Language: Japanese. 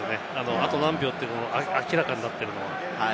あと何秒とか明らかになってるの。